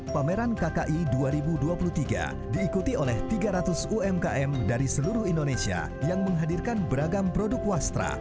pameran kki dua ribu dua puluh tiga diikuti oleh tiga ratus umkm dari seluruh indonesia yang menghadirkan beragam produk wastra